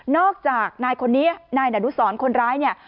จากนายคนนี้นายดนุสรคนร้ายเนี่ย